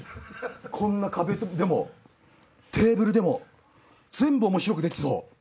こんな壁でもテーブルでも全部おもしろくできそう！